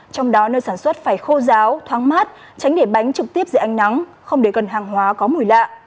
trong đó nơi sản xuất phải khô giáo thoáng mát tránh để bánh trực tiếp dưới ánh nắng không để cần hàng hóa có mùi lạ